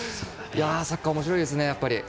サッカー、おもしろいですね。